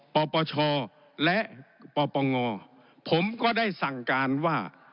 ปปชและปปงผมก็ได้สั่งการว่า